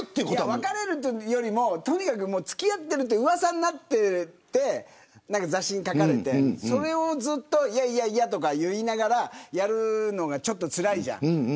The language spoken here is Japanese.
別れることよりも、付き合ってうわさになっていて雑誌に書かれて、それをずっといやいやとか言いながらやるのがちょっとつらいじゃん。